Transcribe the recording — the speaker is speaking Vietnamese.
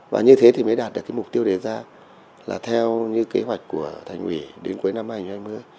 và như thế thì mới đạt được cái mục tiêu đề ra là theo như kế hoạch của thành ủy đến cuối năm hai nghìn hai mươi